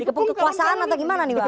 kekuasaan atau gimana nih bang